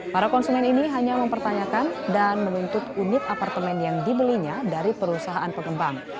para konsumen ini hanya mempertanyakan dan menuntut unit apartemen yang dibelinya dari perusahaan pengembang